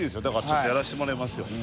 だからちゃんとやらせてもらいますよ。